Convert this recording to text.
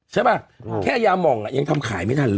ใช่ป่ะแค่ยามองยังทำขายไม่ทันเลย